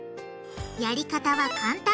やり方は簡単。